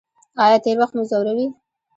ایا تیر وخت مو ځوروي؟